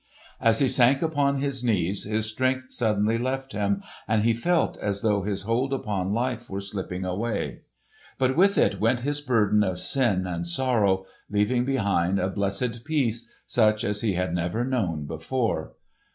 As he sank upon his knees his strength suddenly left him and he felt as though his hold upon life were slipping away. But with it went his burden of sin and sorrow, leaving behind a blessed peace such as he had never known before.